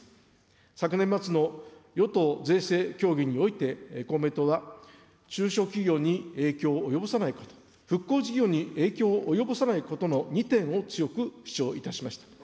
昨年末の与党税制協議において、公明党は、中小企業に影響を及ぼさないこと、復興事業に影響を及ぼさないことの２点を強く主張いたしました。